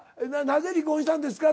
何で離婚したんですか？